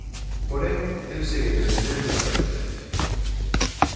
Porén, el segue defendendo a súa inocencia.